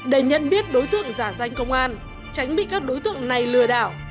để nhận biết đối tượng giả danh công an tránh bị các đối tượng này lừa đảo